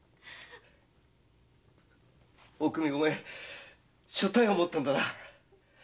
おくみお前所帯を持ったんだな。